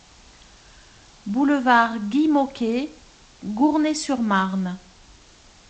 Boulevard Guy Môquet, Gournay-sur-Marne